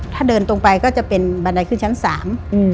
ถ้าเดินตรงไปก็จะเป็นบันไดขึ้นชั้นสามอืม